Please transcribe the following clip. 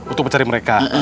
untuk mencari mereka